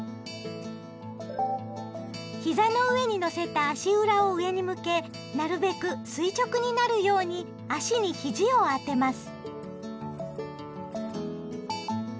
膝の上にのせた足裏を上に向けなるべく垂直になるように足にひじを当てます。